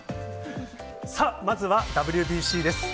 さあ、まずはＷＢＣです。